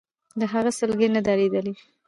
د هغه سلګۍ نه درېدلې.